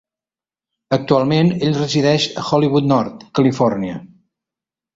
Actualment ell resideix a Hollywood Nord, Califòrnia.